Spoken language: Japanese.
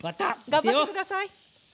頑張って下さい！